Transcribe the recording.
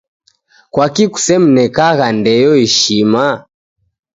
Kwaki kusemnekagha ndeyo ishima?